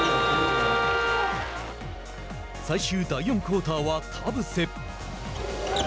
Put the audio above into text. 最終第４クオーターは田臥。